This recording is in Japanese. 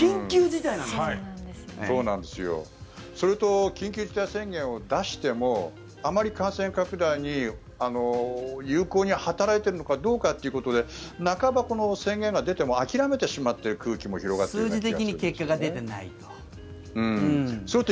それと緊急事態宣言を出してもあまり感染拡大に有効に働いているのかどうかということで半ば宣言が出ても諦めてしまっている空気が広がっている気がするんですよね。